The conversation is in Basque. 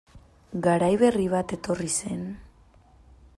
Garai berri bat etorri zen...